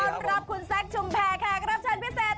ขอสวัสดีครับคุณแซ็คชุมแพ้แครกรับชนพิเศษตะเลิศค่ะ